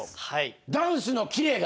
ダンスのキレが。